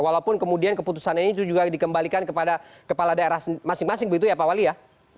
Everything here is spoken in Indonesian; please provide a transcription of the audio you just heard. walaupun kemudian keputusan ini juga dikembalikan kepada kepala daerah masing masing begitu ya pak wali ya